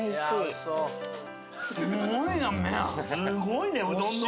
すごいねうどんの。